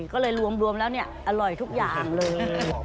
ก็เลยรวมแล้วอร่อยทุกอย่างเลย